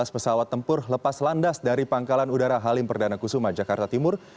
dua belas pesawat tempur lepas landas dari pangkalan udara halim perdana kusuma jakarta timur